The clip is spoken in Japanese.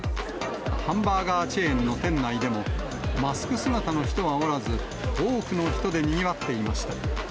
ハンバーガーチェーンの店内でも、マスク姿の人はおらず、多くの人でにぎわっていました。